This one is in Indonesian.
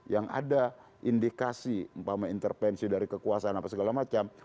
yang ada indikasi umpama intervensi dari kekuasaan apa segala macam